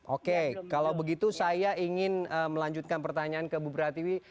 oke kalau begitu saya ingin melanjutkan pertanyaan ke bu pratiwi